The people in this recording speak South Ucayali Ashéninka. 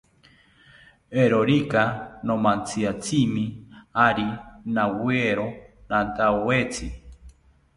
Eeerorika nomantziatzimi, ari nawiero nantawetzi